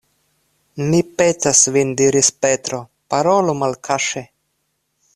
Mi petas vin diris Petro, parolu malkaŝe.